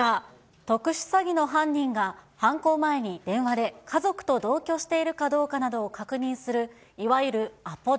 特殊詐欺の犯人が、犯行前に電話で家族と同居しているかどうかなどを確認するいわゆるアポ電。